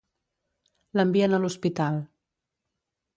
L'envien a l'hospital.